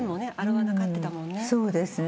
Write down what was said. そうですね。